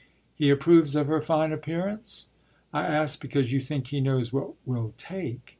"He approves of her fine appearance? I ask because you think he knows what will take."